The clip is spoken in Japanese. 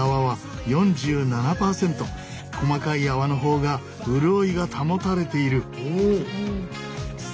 細かい泡の方が潤いが保たれている。